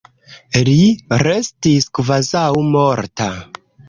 Li restis kvazaŭ morta.